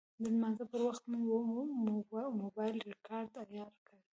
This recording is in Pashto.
د لمانځه پر وخت مې موبایل ریکاډر عیار کړ.